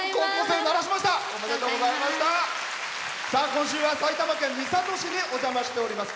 今週は埼玉県三郷市にお邪魔しております。